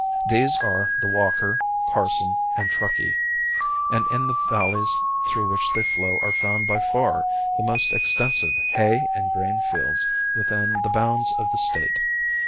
These are the Walker, Carson, and Truckee; and in the valleys through which they flow are found by far the most extensive hay and grain fields within the bounds of the State.